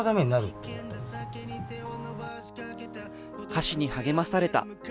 歌詞に励まされた。